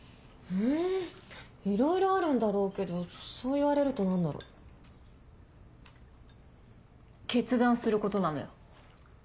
んいろいろあるんだろうけどそう言われると何だろ？決断することなのよ。